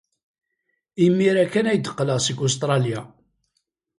Imir-a kan ay d-qqleɣ seg Ustṛalya.